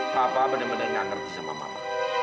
papa bener bener gak ngerti sama bapak